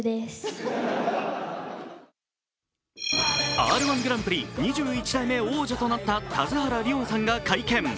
「Ｒ−１グランプリ」２１代目王者となった田津原理音さんが会見。